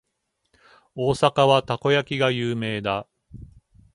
大阪はたこ焼きが有名だ。